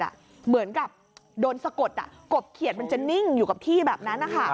เหมือนกับโดนสะกดกบเขียดมันจะนิ่งอยู่กับที่แบบนั้น